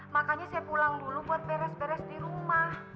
makanya saya pulang dulu buat beres beres di rumah